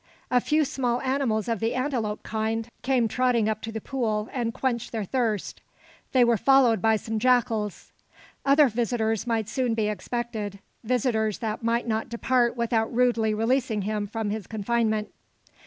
A few small animals of the antelope kind came trotting up to the pool, and quenched their thirst. They were followed by some jackals. Other visitors might soon be expected, visitors that might not depart without rudely releasing him from his confinement.